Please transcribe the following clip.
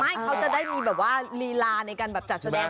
เขาจะได้มีแบบว่าลีลาในการแบบจัดแสดง